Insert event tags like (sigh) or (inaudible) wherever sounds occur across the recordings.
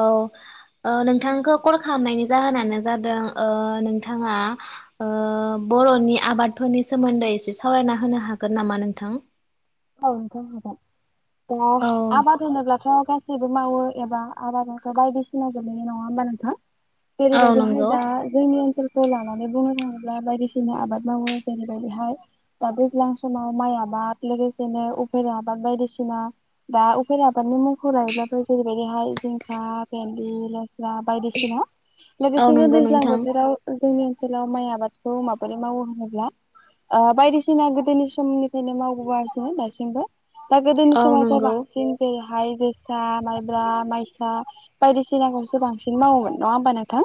औ नोंथांखौ कल खालामनायनि जाहोनानो जादों ओ नोंथाङा ओ बर'नि आबादफोरनि सोमोन्दै एसे सावरायना होनो हागोन नामा नोंथां औ नोंथां हागोन औ आबाद होनोब्लाथ' जेबो मावो एबा आबादखौ बायदिसिना गोलैनाय नङा होमबा नोंथां औ जेरैबायदिहाय नंगौ दा जोंनि ओनसोल लानानै बुंनो थाङोब्ला बायदिसिना आबाद मावो जेरैबाय बेहाय दा दैज्लां समाव माइ आबाद बा बिदिनो उफेरा आबाद बायदिसिना दा उफेरा आबादनि मुंखौ लायोब्लाबो जेरैबायदिहाय जोंहा भेन्दि लेस्रा बायदिसिना औ लोगोसेनो नंगौ दैज्लां नोंथां बोथोराव जोंनि ओनसोलाव माइ आबादखौ माबोरै मावो होनोब्ला ओ बायदिसिना गोदोनि समनिफ्रायनो मावबोनाय दासिमबो दा गोदोनि औ समावथ' नंगौ बांसिन जाया हाय जोसा माइब्रा माइसा बायदिसिनाखौसो बांसिन मावोमोन नङा होमबा नोंथां?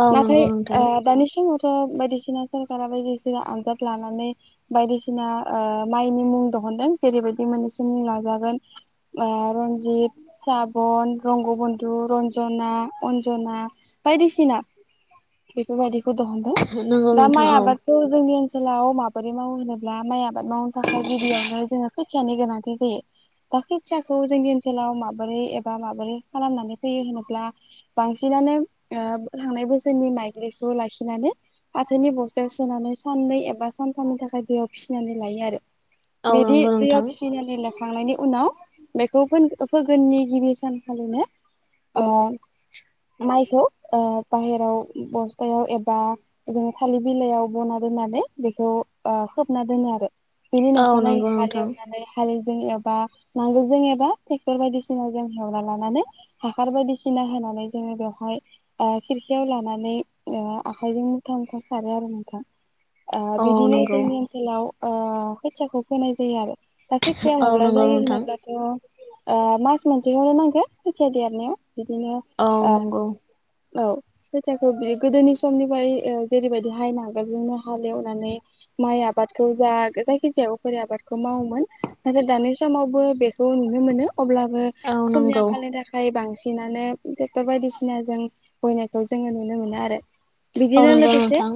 औ नाथाय नंगौ ओ नोंथां दानि समावथ' बायदिसिना सरखारा बायदिसिना आनजाद लानानै बायदिसिना ओ माइनि मुं दिहुनदों जेरैबायदि मोनैसो मुं लाजागोन रनजित, साबन, रंगबन्धु, रन्जना, अन्जना, बायदिसिना बेफोरबायदि नंगौ दा नोंथां माइ औ आबादखौ जोंनि ओनसोलाव माबोरै मावो होनोब्ला माइ आबाद मावनो थाखाय गिबियावनो जोङो खोथियानि गोनांथि फैयो दा खोथियाखौ जोंनि ओनसोलाव माबोरै एबा माबोरै खालामनानै फैयो होनोब्ला बांसिन थांनाय बोसोरनि माइज्लिखौ लाखिनानै फाथोनि बस्थायाव सोनानै सा नै सानथामनि दै फीसिनानै लायो आरो औ बिदि नंगौ दैयाव नोंथां फिनानै ला खांनायनि उनाव बेखौ फोगोननि गिबि सानखालिनो अ माइखौ ओ बाहेराव बस्थायाव एबा बिदिनो थालिर बिलाइयाव बना दोननानै बेखौ ओ खोबना दोनो आरो बेनि औ अखानायै नंगौ नोंथां हालेवनानै हा जेनेबा नांगोलजों एबा ट्रेक्टर बायदिसिनाजों एवना लानानै हासार बायदिसिना होना नानै जोङो बेवहाय खेरखायाव लानानै आखायजों मुथा मुथा सारो आरो नोंथां ओ औ बिदिनो नंगौ जोंनि ओनसोलाव ओ खोथियाखौ फोनाय जायो आरो दा खोथिया औ माब्ला नंगौ जायो नोंथां होनोब्लाथ'ओ मास मोनसेखौनो नांगोन खोथिया देरनायाव। बिदिनो औ नंगौ औ खोथियाखौ बिदि गोदोनि समनिफ्राय जेरैबायदि हाइ नागोलजोंनो हालेवनानै माइ आ आबादखौ जा जायखि जाया आबादखौ मावोमोन नाथाय दानि समावबो बेखौ नुनो मोनो अब्लाबो औ समनि नंगौ आंखालनि थाखाय बांसिन नानो ट्रेक्टर बायदिसिना जों बयनायखौ जोङो नुनो मोनो आरो औ बिदिनो नंगौ लोगोसे नोंथां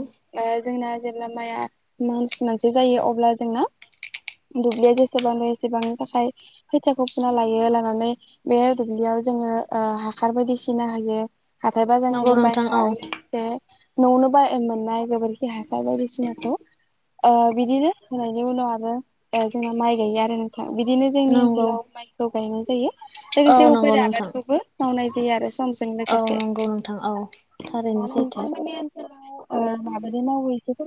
जोंना जेब्ला माइया मास मोनसे जायो अब्ला जोंना दुब्लिया जेसेबां एसेबांनि थाखाय खोथियाखौ फुना लायो लानानै बे दुब्लियाव जोङो हासार बायदिसिना होयो हाथाय नंगौ बाजारनिबो नोंथां बायना औ लाबोनाय लोगोसे न'आवनो ब मोननाय गोबोरखि हासार बायदिसिनाखौ अ बिदिनो होनायनि उनाव आरो जोंना माइ गायो आरो नोंथां बिदिनो जोंनि नंगौ ओनसोलाव माइखौ गायनाय जायो। लोगोसे औ नंगौ उफ्रा नोंथां आबादखौबो मावनाय जायो आरो सम जों औ लोगोसे। नंगौ नोंथां औ थारैनो सैथो (unintelligible)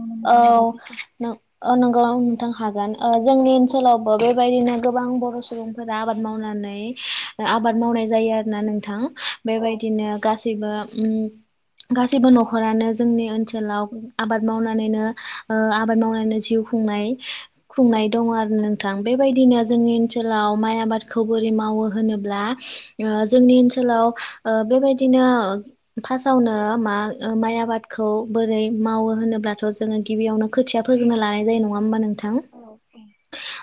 नामा औ नोंथाङा आबादनि सायाव न-नंगौ नोंथां हागोन ओ जोंनि ओनसोलावबो बे बेबायदिनो गोबां बर' सुबुंफोरा आबाद मावनानै आबाद मावनाय जायो आरोना नोंथां। औ बेबायदिनो गासैबो उम गासिबो न'खरानो जोंनि ओनसोलाव आबाद मावना नानैनो ओ आबाद मावनानैनो जिउ खुंनाय औ खुंनाय दङ' आरो नोंथां। बेबायदिनो जोंनि ओनसोलाव माय आ आबादखौ बोरै मावो होनोब्ला ओ जोंनि ओनसोलाव ओ बेबायदिनो फासआवनो मा-माइ आबादखौ बोरै मावो होनोब्ला जोङो गिबियावनो खोथिया फोग्रोना लानाय जायो नङा होमबा नोंथां?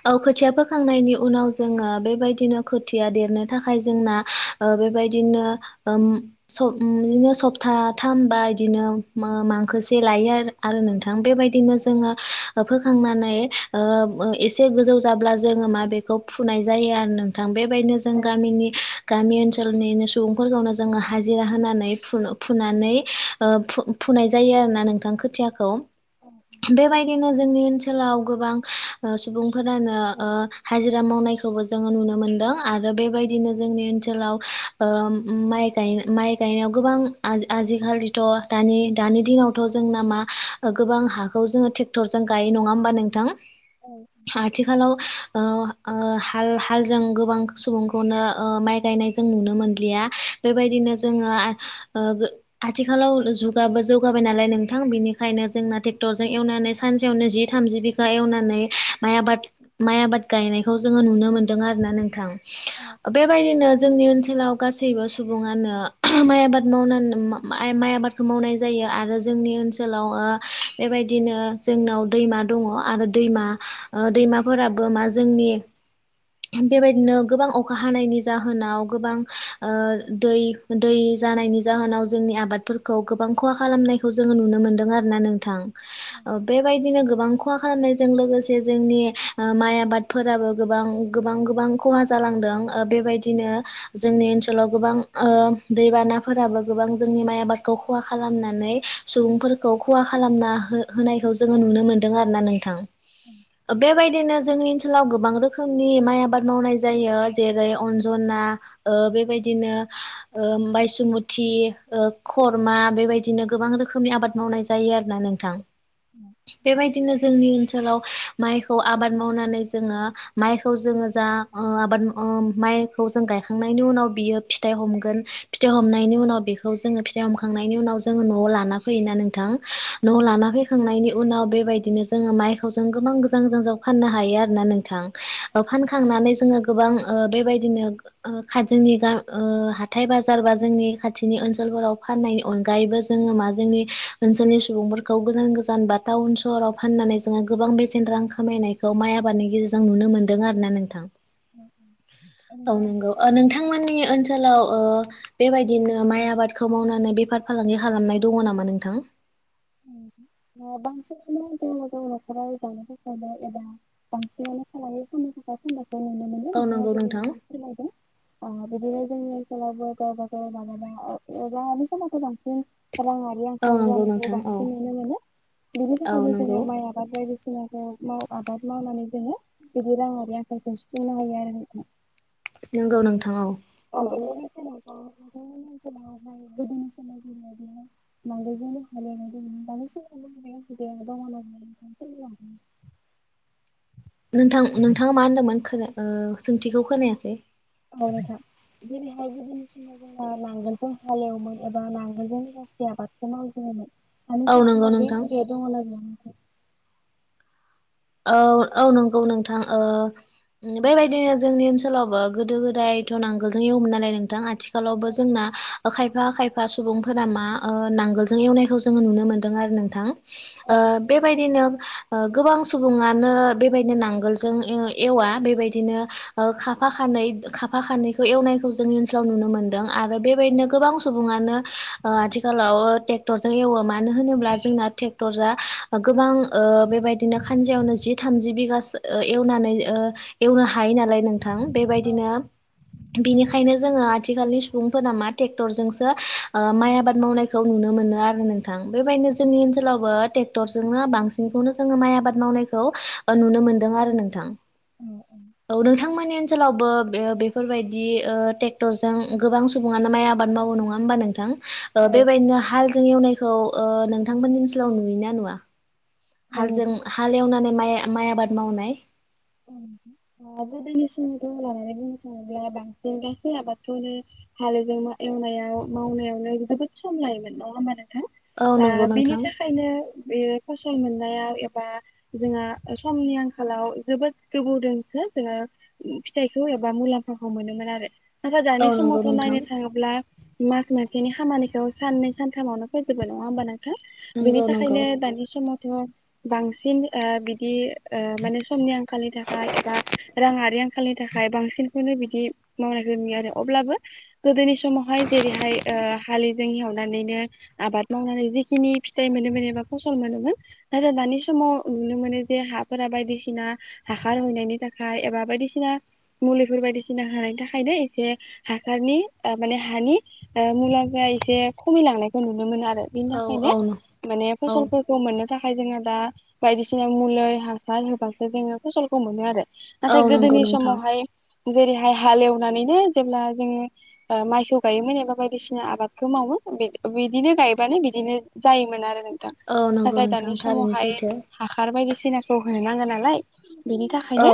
औ खोथिया फो खांनायनि उनाव जोङो बेबायदिनो खोथिया देरनो थाखाय जोंना ओ बेबायदिनो ओम सप-सप्थाथामबा इदिनो मांखोसे लायो आरो। आरो नोंथां बेबायदिनो औ जोङो फोखांनानै ओ एसे गोजौ जाब्ला जोङो मा बेखौ फुनाय जायो आरो नोंथां। बेबायदिनो जों गामिनि गामि ओनसोलनिनो सुबुंफोरखौनो जोङो हाजिरा होनानै फु-फुनानै ओ फु-फु-फु फुनाय जायो आरोना नोंथां खोथियाखौ। औ बेबायदिनो जोंनि ओनसोल सोलाव गोबां सुबुंफोरानो हाजिरा मावनायखौबो जोङो नुनो मोनदों। आरो औ बेबायदिनो जोंनि ओनसोलाव ओम माइ गाय माइ गायनायाव गोबां आजिखालिथ' दानि दानि दिनावथ' जोंना मा गोबां हाखौ जोङो ट्रेक्टरजों गायो नङा होमबा नोंथां? आथिखालाव ओ (inaudible) ओ हाल-हालजों गोबां सुबुंखौनो ओ माइ गायनाय जों नुनो मोनलिया बेबायदिनो जोङो आ ओ गो आथिखालाव जुगाबो जौगाबाय नालाय नोंथां बेनि खायनो जोंना टेक्टरजों एवनानै सानसेयावनो जि थामजि बिघा एवनानै माइ आबाद माइ आबाद गायनायखौ जो नुनो मोनदों आरोना नोंथां। ओ बेेबायदिनो जोंनि ओनसोल सोलाव गासैबो सुबुङानो माइ आबाद मावनानै माइ आबादखौ मावनाय जायो आरो ज जोंनि ओनसोल सोलाव ओ बेबायदिनो जोंनाव दैमा दङ' आरो दैमा ओ दैमाफोराबो मा जोंनि (inaudible) बेबायदिनो गोबां अखा हानायनि जाहोनाव गोबां ओ दै दै जानायनि जाहोनाव जोंनि आबादफोरखौ गोबां खहा खालामनायखौ जोङो नुनो मोनदों आरो ना नोंथां। ओ बेबायदिनो गोबां खहा खालामनायजों लोगोसे जोंनि ओ माइ आबादफोराबो गोबां गोबां गोबां खहा जालांदों। ओ बेबायदिनो जोंनि ओनसोलाव गोबां ओ दैबानाफोराबो गोबां जोंनि माइ आबाद खहा खालामनानै सुबुंफोर खौ खहा खालामना हो-होनायखौ जोङो नुनो मोनदों आरोना नोंथां। बेबायदिनो जोंनि ओनसोलाव गोबां रोखोमनि माइ आबाद मावनाय जायो। जेरै अनजना ओ बेबायदि बिदिनो ओ बायसुमुथि, खरमा बेबायदिनो गोबां रोखोमनि आबाद मावनाय जायो आरो ना नोंथां। बेबायदिनो जोंनि ओनसोलाव माइखौ आबाद मावनानै जोङो माइखौ जोङो जा उम आबाद उम माइखौ जों गायखांनायनि उनाव बियो फिथाइ हमगोन फिथाइ हमनायनि उनाव बेखौ जोङो फिथाइ हमखांनायनि उनाव जोङो न'आव लाना फैयोना नों थां न'आव लाना फैखांनायनि उनाव बेबायदिनो जोङो माइखौ जों गोबां गोजान गोजानाव फाननो हायो आरोना नोंथां। फानखांनानै जोङो गोबां ओ बेबायदिनो ओ खा जोंनि ग हाथाय बाजार बा जोंनि खाथिनि ओनसोलफोराव फाननायनि अनगायैबो जोङो मा जोंनि ओनसोलनि सुबुंफोरखौ गोजान गोजान बा टाउन सहराव फाननानै जोङो गोबां बेसेन रां खामायनायखौ माय आबादनि गेजेरजों नुनो मोन्दों आरो ना नोंथां। औ नोंथां नंगौ बिदिब्ला नोंथांमोननि ओनसोलाव बेबायदिनो माइ आबादखौ मावनानै बेफार फालांगि खालामनाय दङ नामा नोंथां? उ बांसिनानो जों मो जों न'खराव जानो थाखायनो एबा बांसिनानो खालाम फाननो थाखाय फानायखौ नुनो मोनो औ नों थांङा नंगौ नोंथां जेरैबायदि फोरमायदों आ बिदिनो ला गबा ग माना माबा अख माथ जांसि रांङारि औ आंखाल नंगौ जानायखौ नोंथां औ बांसिन नुनो मोनो, बिनि औ थाखायनो नंगौ जोङो माइ आबाद बायदि जोंखौ माव आबाद मावनानै जोङो बिदि रांङरि आखाइखौ सुफुंनो हायो आरो नोंथां नंगौ नोंथां औ। गोदोनि समा जोंना बेनो नांगोल जोंनो हालेवनाय (unintelligible) नोंथां नोंथाङा मा होनदोंमोन खो ओ सोंथिखौ खोनायासै? औ नोंथां जरै हाय गोदोनि बिदिनो जोंना नांगोलजों हालेवोमोन एबा नांगोलजों सो आबादखौ मावजेनोमोन। हानि औ नंगौ संपद बे नोंथां बे दंड़ ना गैया? नोंथां औ औ नंगौ नोंथां ओ। बेबायदिनो जोंनि ओनसोलावबो गोदो गोदायथ' नांगोलजों एवोमोन नालाय नोंथां आथि खालावबो जोंना आखायफा -आखायफा। फा सुबुंफोरा मा ओ नांगोलजों एवनायखौ जोङो नुनो मोन्दों आरो नोंथां। ओ औ बेबायदिनो ओ गोबां सुबुङानो बेबायदिनो नांगोलजों एवा बेबायदिनो खाफा खानै खा फा खानैखौ एवनायखौ जोंनि ओनसोलाव नुनो मोन्दों आरो बेबायदिनो गोबां सुबुङानो आथिखालाव ट्रेक्टरजों एवो मानो होनोब्ला जोंना ट्रेक्टरा गोबां ओ ओ बेबायदिनो खानजायावनो जि थामजि बिघासो एवनानै एवनो हायो नालाय नोंथां बेबायदिनो बिनिखायनो जोङो आथिखालनि सुबुंफोरा मा टेक्टरजोंसो माइ आबाद मावनायखौ नुनो मोन। मोनो आरो नोंथां बेबायदिनो जोंनि ओनसोलावबो तेकरजोंनो बांसिनखौनो जोंङो माइ आबाद मावनायखौ ओ नुनो मोनदों आरो नोंथां, औ नोंथां माने ओनसोलावबो ओ बेफोरबायदि ओ टेक्टरजों गोबां सुबुङानो माइ आबाद मावो नङा होमबा नोंथां? ओ औ बेबायदिनो हालजों एवनायखौ ओ नोंथांमोननि ओनसोलाव नुयो ना नुवा? औ हालजों नोंथां हाल एवनानै माइ-माइ आबाद मावनाय। (inaudible) आ गोदोनि समखौ लानानै बुंसै आ बांसिन आबाद खौनो हालेवनो अमा एवनायाव मावनायावनो जोबोद सम लायोमोन नंङा हबानो? हो औ आ नंगौ बेनि नोंथां थाखायनो बे फसल मोन जायाव एबा जोंहा ओ समनि आंखालाव जोबोद गोबोवदोंसो जोंङो फिथाइखौ एबा मुलाम्फाफोरखौ मोनोमोन आरो। आदार औ जानाय समाव नंगौ थ नोंथां नायनो थांङोब्ला। मास मोनसेनि खामानिखौ साननै सानथामावनो फोजोबो नङा होमबा नों? हो बिनि नंगौ नंगौ थाखायनो दानि समावथ' बांसिन ओ बिदि। ओ माने समनि आंखालनि थाखाय एबा राङारि आंखालनि थाखाय बांसिन। फोरनो बिदि मावनायखौ नुयो आरो अब्लाबो गोदोनि समावहाय जेरैहाय ओ हाले। जों हेवनानैनो आबाद मावनानै जेखिनि फिथाइ मोनोमोन एबा फसल मोनोमोन आरो दानि सम। नुनो मोनो जे हाफोरा बायदिसिना हाखार होननायनि थाखाय एबा बायदिसिना। मुलिफोर बायदिसिना होनायनि थाखायनो एसे हासारनि ओ माने हानि आ मुला जाया। एसे खमिलांनायखौ नुनो मोनो आरो बिनि औ औ थाखायनो माने औ फसलफोरखौ मोन थाखाय जोङो दा बायदिसिना मुलै हासार होबासो जोङो फसलखौ मोनो आरो। औ नाथाय नंगौ गोदोनि नोंथां समावहाय जेरैहाय हालेवनानैनो जेब्ला जोङो ओ माइखौ गायोमोन एबा बायदिसिना आबादखौ मावो ओ बिद बिदिनो गायबानो बिदिनो जायोमोन आरो नोंथां औ नंगौ नाथाय नोंथां दानि थारैनो समावहाय सैथो हाखार बायदिसिनाखौ होनो नाङो नालाय! बिनि औ थाखायनो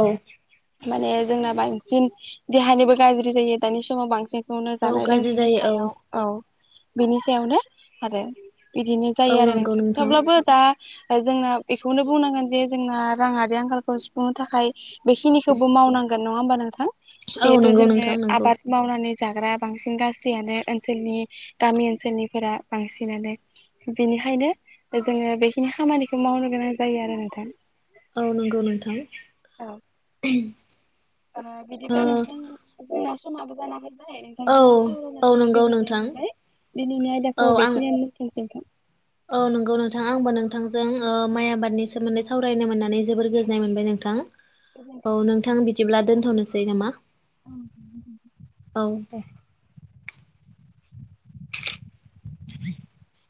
माने जोंना बांसिन देहानिबो गाज्रि जायो दानि समाव बांसिन। बेखौनो औ जानाय गाज्रि लोंनायनि जायो औ सायाव औ बेनि सायावनो आरो। बिदिनो जायो औ आरो नंगौ नोंथां थेवब्लाबो दा। जोंना बेखौनो बुंनांगोन जे जोंना राङारि आंखालखौ सुफुंनो थाखाय। बेखिनिखौबो मावनांगोन नङा होमबा नोंथां औ जिहेथु नंगौ जोङो नोंथां नंगौ आबाद मावनानै। जाग्रा बांसिन गासैयानो ओनसोलनि गामि ओनसोलनिफोरा बांसिनानो। बिनिखायनो जोङो बेखिनि खामानिखौ मावनो गोनां जायो आरो नोंथां। औ नंगौ नोंथां औ उहुम। ओ बिदिबा नोंथां जोंना समाबो जाना फै बाय औ नोंथांजों औ सावरायनानै नंगौ गोजोननाय नोंथां मोनबाय दिनैनि औ आयदाखौ आं बेखिनियानो दोनथनसै नोंथां। औ नंगौ नोंथां आंबो नोंथांजों ओ माइ आबादनि सोमोन्दै सावरायनो मोननानै जोबोर गोजोननाय मोनबाय नोंथां। औ गोजोनथों नोंथां बिदिब्ला दोनथ'नोसै नामा। औ औ (inaudible) दे (unintelligible)